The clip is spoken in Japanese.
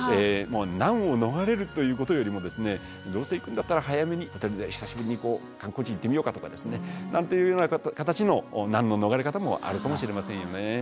難を逃れるということよりもどうせ行くんだったら早めにホテルで久しぶりにこう観光地行ってみようかとかなんていうような形の難の逃れ方もあるかもしれませんよね。